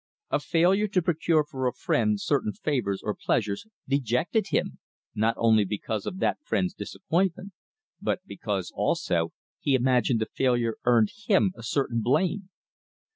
A failure to procure for a friend certain favors or pleasures dejected him, not only because of that friend's disappointment, but because, also, he imagined the failure earned him a certain blame.